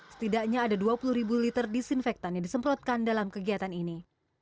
setidaknya ada dua puluh ribu liter disinfektan yang disemprotkan dalam kegiatan ini